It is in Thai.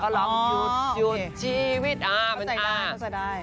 ก็ใส่ได้